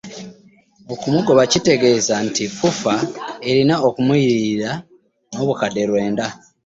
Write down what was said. Okumugoba kitegeeza nti FUFA erina okumuliyirira n'obukadde lwenda.